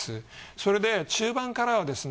それで中盤からはですね